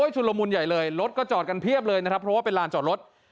ชุ่นลมูลใหญ่เลยรถก็จอดกันเพียบเลยลานจอดรถ